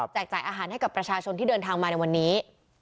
จ่ายอาหารให้กับประชาชนที่เดินทางมาในวันนี้